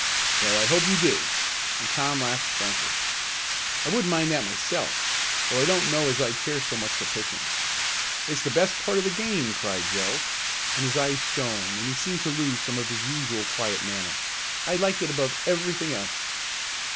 "Well, I hope you do," and Tom laughed frankly. "I wouldn't mind that myself, though I don't know as I care so much for pitching." "It's the best part of the game!" cried Joe, and his eyes shone and he seemed to lose some of his usual quiet manner. "I'd like it above everything else!"